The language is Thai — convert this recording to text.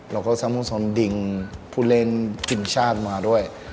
แล้วก็สัมพุทธศาสตร์ดิงผู้เล่นทีมชาติมาด้วย